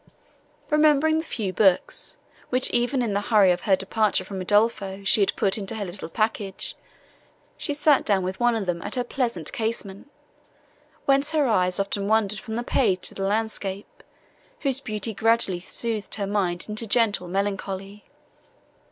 Remembering the few books, which even in the hurry of her departure from Udolpho she had put into her little package, she sat down with one of them at her pleasant casement, whence her eyes often wandered from the page to the landscape, whose beauty gradually soothed her mind into gentle melancholy.